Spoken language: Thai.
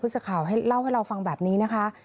พูดกับพฤศคราวเล่าให้เราฟังแบบนี้นะคะ